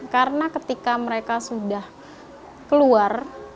karena ketika mereka sudah keluar